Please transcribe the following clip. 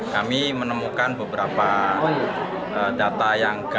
kami menemukan beberapa data yang kami